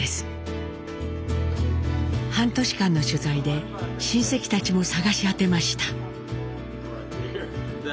半年間の取材で親戚たちも捜し当てました。